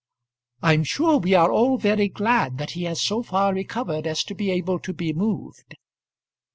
"I'm sure we are all very glad that he has so far recovered as to be able to be moved."